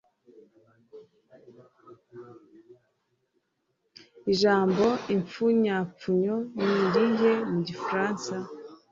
ijambo impfunyapfunyo ni irihe mu gifaransa?